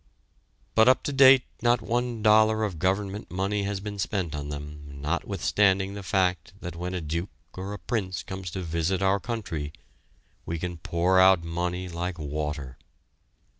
But up to date not one dollar of Government money has been spent on them notwithstanding the fact that when a duke or a prince comes to visit our country, we can pour out money like water!